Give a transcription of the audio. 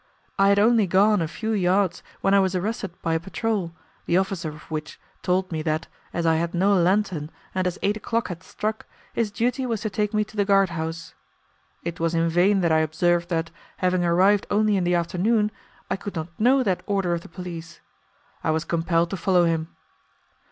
I had only gone a few yards when I was arrested by a patrol, the officer of which told me that, as I had no lantern and as eight o'clock had struck, his duty was to take me to the guardhouse. It was in vain that I observed that, having arrived only in the afternoon, I could not know that order of the police. I was compelled to follow him.